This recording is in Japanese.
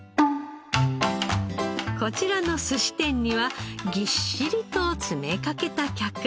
こちらの寿司店にはぎっしりと詰めかけた客。